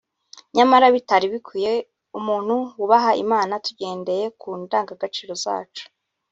nyamara bitari bikwiye umuntu wubaha Imana tugendeye ku ndanga gaciro zacu